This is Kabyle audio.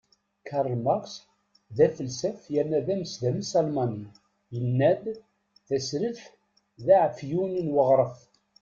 Karl Marx, d afelsaf yerna d amesdames Almani, yenna-d: Tasredt d aεefyun n uɣref.